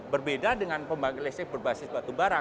berbeda dengan pembangkit listrik berbasis batubara